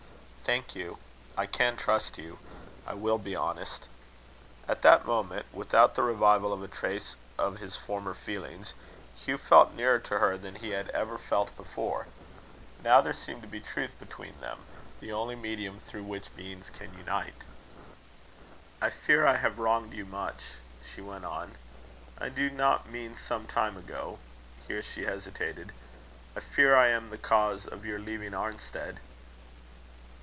"Thank you. I can trust you. I will be honest." At that moment, without the revival of a trace of his former feelings, Hugh felt nearer to her than he had ever felt before. Now there seemed to be truth between them, the only medium through which beings can unite. "I fear I have wronged you much," she went on. "I do not mean some time ago." Here she hesitated. "I fear I am the cause of your leaving Arnstead."